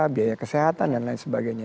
biaya kesehatan dan lain sebagainya